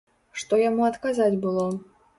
Што яму адказаць было?